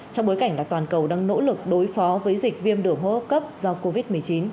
trong bối cảnh toàn cầu đang nỗ lực đối phó với dịch viêm đường hô hấp cấp do covid một mươi chín